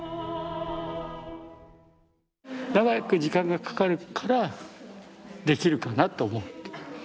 長く時間がかかるからできるかなと思って。